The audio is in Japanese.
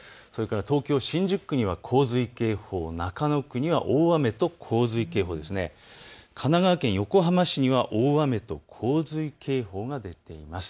東京新宿区には洪水警報中野区には大雨と洪水警報神奈川県横浜市には大雨と洪水警報が出ています。